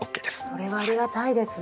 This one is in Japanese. それはありがたいですね。